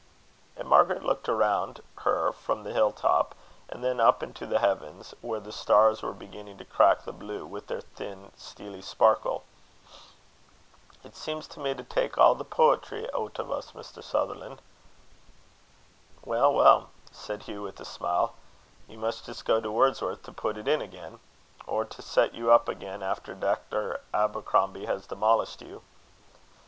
And Margaret looked around her from the hill top, and then up into the heavens, where the stars were beginning to crack the blue with their thin, steely sparkle. "It seems to me to tak' a' the poetry oot o' us, Mr. Sutherland." "Well, well," said Hugh, with a smile, "you must just go to Wordsworth to put it in again; or to set you again up after Dr. Abercrombie has demolished you."